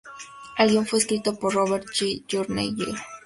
El guión fue escrito por Robert J. Gurney Jr.